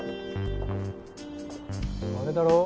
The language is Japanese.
あれだろ？